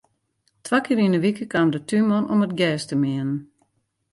Twa kear yn 'e wike kaam de túnman om it gjers te meanen.